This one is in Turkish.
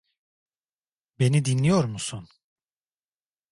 Beni dinliyor musun?